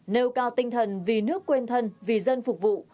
nêu cao tinh thần vì nước quên thân vì dân phục vụ